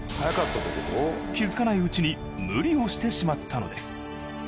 気づかないうちに無理をしてしまったのです。